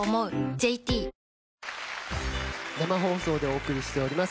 ＪＴ生放送でお送りしております